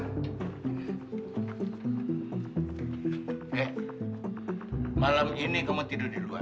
eh malam ini kamu tidur di luar